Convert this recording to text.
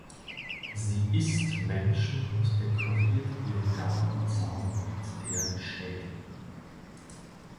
Sie isst Menschen und dekoriert ihren Gartenzaun mit deren Schädeln.